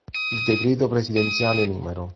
Il decreto presidenziale n.